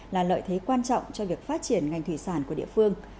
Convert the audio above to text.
là lợi thế quan trọng cho việc phát triển ngành thủy sản của địa phương